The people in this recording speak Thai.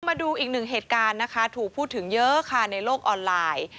มาดูอีกหนึ่งเหตุการณ์นะคะถูกพูดถึงเยอะค่ะในโลกออนไลน์